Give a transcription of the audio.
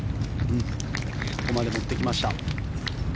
ここまで持ってきました。